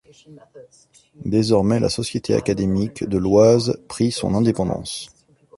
Désormais la Société académique de l'Oise prit son indépendance.